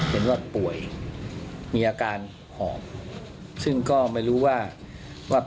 พลังศพ